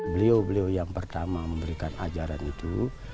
beliau beliau yang pertama memberikan ajaran itu